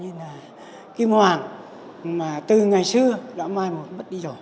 như là kim hoàng mà từ ngày xưa đã mai một bất đi dò